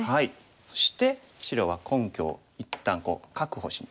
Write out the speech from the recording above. そして白は根拠を一旦確保しに。